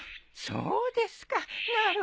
そうですかなるほど。